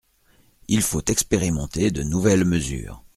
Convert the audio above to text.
Il faut expérimenter de nouvelles mesures.